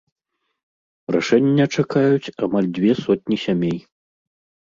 Рашэння чакаюць амаль дзве сотні сямей.